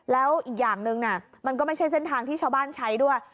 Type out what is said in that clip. แล้วอีกอย่างหนึ่งมันก็ไม่ใช่เส้นทางที่ชาวบ้านใช้ด้วย